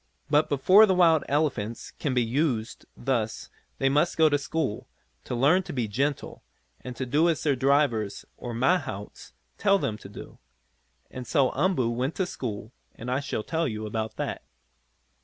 But before the wild elephants can be used thus they must go to school, to learn to be gentle, and to do as their drivers, or mahouts, tell them to do. And so Umboo went to school and I shall tell you about that.